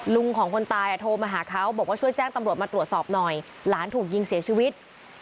ของคนตายโทรมาหาเขาบอกว่าช่วยแจ้งตำรวจมาตรวจสอบหน่อยหลานถูกยิงเสียชีวิต